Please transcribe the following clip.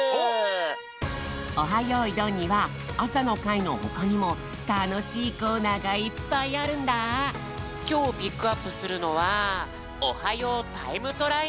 よいどん」にはあさのかいのほかにもたのしいコーナーがいっぱいあるんだきょうピックアップするのは「おはようタイムトライアル」。